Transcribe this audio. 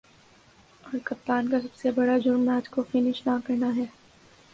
اور کپتان کا سب سے برا جرم" میچ کو فنش نہ کرنا ہے